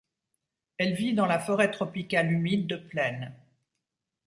Elle vit dans la forêt tropicale humide de plaine.